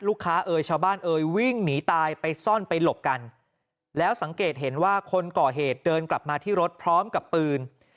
เอ่ยชาวบ้านเอ่ยวิ่งหนีตายไปซ่อนไปหลบกันแล้วสังเกตเห็นว่าคนก่อเหตุเดินกลับมาที่รถพร้อมกับปืน